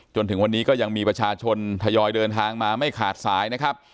จนถึงวันนี้ก็ยังมีประชาชนทยอยเดินทางมาไม่ขาดสายนะครับ